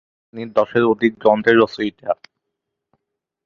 তিনি দশের অধিক গ্রন্থের রচয়িতা।